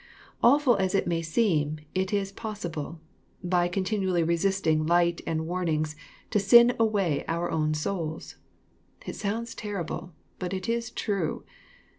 Awful as it may seem, it is possible, by continuall}^ resisting light and warnings, to sin away our own souls. It sounds terrible, but it is true.